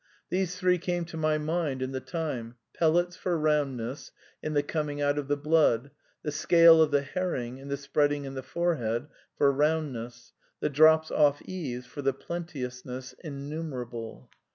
These three came to my mind in the time : pellets, for roundness, in the coming out of the blood ; the scale of the herring, in the spreading in the forehead, for round ness; the drops off eaves, for the plenteousness innumerable.